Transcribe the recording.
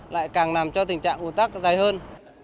lại càng làm cho tình trạng ủn tắc dài hơn